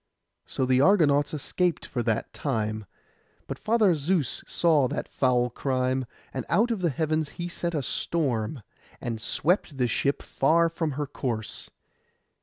So the Argonauts escaped for that time: but Father Zeus saw that foul crime; and out of the heavens he sent a storm, and swept the ship far from her course.